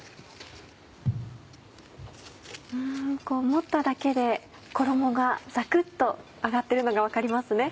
持っただけで衣がザクっと揚がっているのが分かりますね。